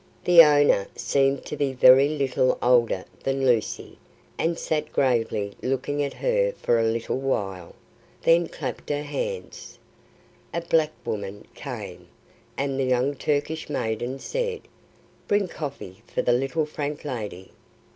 The owner seemed to be very little older than Lucy, and sat gravely looking at her for a little while, then clapped her hands. A black woman came, and the young Turkish maiden said, "Bring coffee for the little Frank lady."